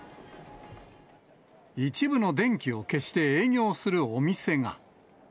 一部の電気を消して営業するお店が。